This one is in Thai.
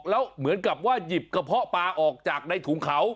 แล้วเหมือนกับว่าหยิบกระเพาะปลาออกจากในถุงเขา